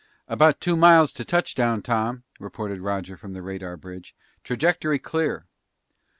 "About two miles to touchdown, Tom," reported Roger from the radar bridge. "Trajectory clear!"